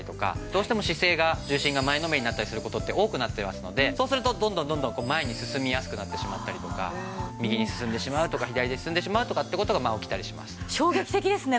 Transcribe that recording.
どうしても姿勢が重心が前のめりになったりする事って多くなってますのでそうするとどんどんどんどん前に進みやすくなってしまったりとか右に進んでしまうとか左に進んでしまうとかって事が起きたりします。